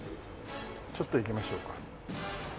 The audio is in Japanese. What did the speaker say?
ちょっと行きましょうか。